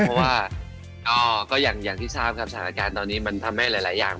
เพราะว่าก็อย่างที่ทราบครับสถานการณ์ตอนนี้มันทำให้หลายอย่าง